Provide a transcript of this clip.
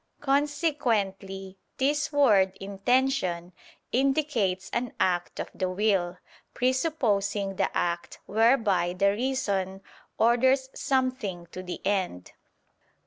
Consequently this word "intention" indicates an act of the will, presupposing the act whereby the reason orders something to the end.